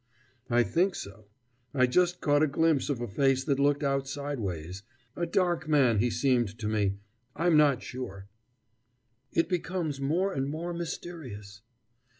"I think so. I just caught a glimpse of a face that looked out sideways a dark man he seemed to me I'm not sure." "It becomes more and more mysterious!"